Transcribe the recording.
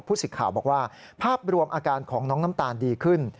สิทธิ์ข่าวบอกว่าภาพรวมอาการของน้องน้ำตาลดีขึ้น